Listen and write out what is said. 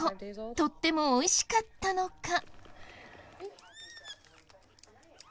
とってもおいしかったのか。